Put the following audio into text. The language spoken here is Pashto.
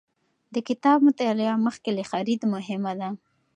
د کتاب مطالعه مخکې له خرید مهمه ده.